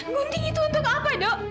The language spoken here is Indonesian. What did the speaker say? gunting itu untuk apa ya dok